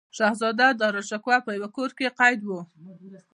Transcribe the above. شهزاده داراشکوه په یوه کور کې قید و.